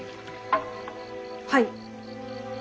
はい。